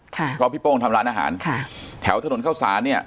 ค่ะเพราะพี่โป้งทำร้านอาหารค่ะแถวถนนเข้าสารเนี่ย